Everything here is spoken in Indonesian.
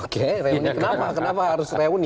kenapa harus reuni